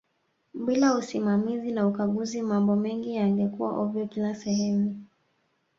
bila usimamizi na ukaguzi mambo mengi yangekuaa ovyo kila sehemu